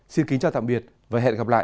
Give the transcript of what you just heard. xin kính chào tạm biệt và hẹn gặp lại